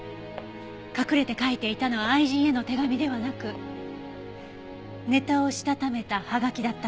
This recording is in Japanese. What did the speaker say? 隠れて書いていたのは愛人への手紙ではなくネタをしたためたはがきだったんです。